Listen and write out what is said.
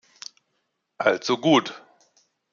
Also gut!